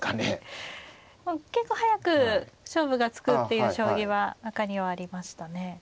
結構速く勝負がつくっていう将棋は中にはありましたね。